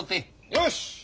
よし！